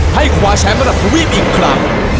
ให้คว้าแชมป์ระดับทวีปอีกครั้ง